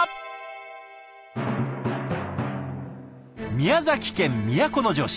宮崎県都城市。